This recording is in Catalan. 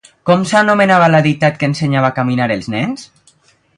Com s'anomenava la deïtat que ensenyava a caminar els nens?